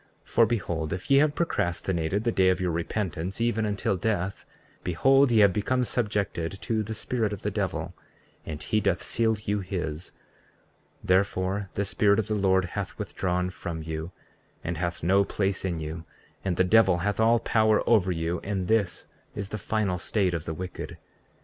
34:35 For behold, if ye have procrastinated the day of your repentance even until death, behold, ye have become subjected to the spirit of the devil, and he doth seal you his; therefore, the Spirit of the Lord hath withdrawn from you, and hath no place in you, and the devil hath all power over you; and this is the final state of the wicked.